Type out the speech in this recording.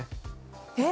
えっ！